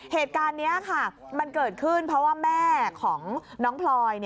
เหตุการณ์นี้ค่ะมันเกิดขึ้นเพราะว่าแม่ของน้องพลอย